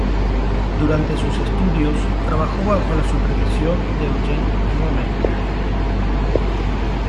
Durante sus estudios, trabajó bajo la supervisión de Eugene Shoemaker.